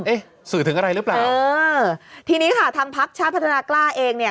สื่อถึงอะไรหรือเปล่าเออทีนี้ค่ะทางพักชาติพัฒนากล้าเองเนี่ย